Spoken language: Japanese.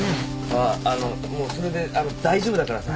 あっあのもうそれであの大丈夫だからさ。